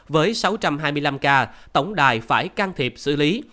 với sáu trăm hai mươi năm ca tổng đài phải can thiệp xử lý